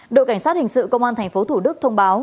đội cảnh sát hình sự công an tp thủ đức thông báo